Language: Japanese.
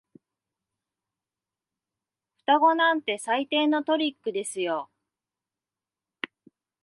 双子なんて最低のトリックですよ。